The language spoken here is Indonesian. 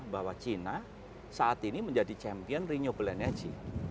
bahwa china saat ini menjadi champion renewable energy